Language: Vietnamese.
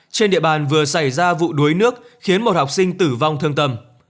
trên địa bàn vừa xảy ra vụ đuối nước khiến một học sinh tử vong thương tâm